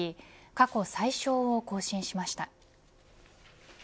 過去最少を更新しました。